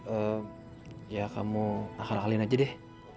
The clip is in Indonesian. eh ya kamu akal akalin aja deh